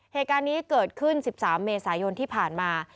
เหตุการณ์นี้เกิดขึ้น๑๓เมษายนที่ผ่านมา